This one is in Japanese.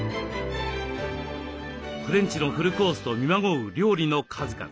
フレンチのフルコースと見まごう料理の数々。